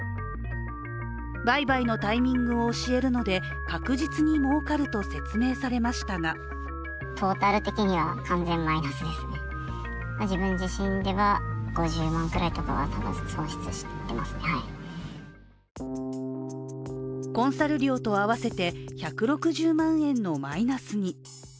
売買のタイミングを教えるので確実にもうかると説明されましたがコンサル料と合わせて１６０万円のマイナスに。